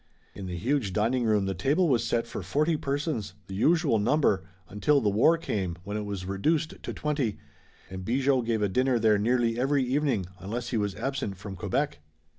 In the huge dining room the table was set for forty persons, the usual number, until the war came, when it was reduced to twenty, and Bigot gave a dinner there nearly every evening, unless he was absent from Quebec.